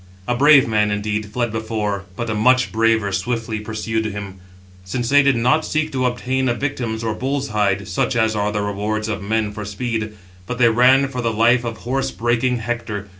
A brave man, indeed, fled before, but a much braver swiftly pursued him; since they did not seek to obtain a victim or a bull's hide, such as are the rewards of men for speed, but they ran for the life of horse breaking Hector.